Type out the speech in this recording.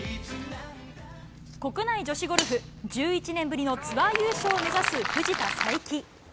国内女子ゴルフ、１１年ぶりのツアー優勝を目指す藤田さいき。